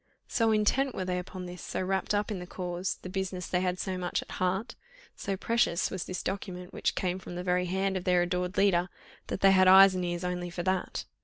So intent were they upon this, so wrapt up in the cause, the business they had so much at heart, so precious was this document which came from the very hand of their adored leader, that they had eyes and ears only for that.